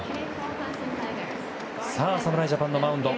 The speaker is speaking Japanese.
さあ、侍ジャパンのマウンド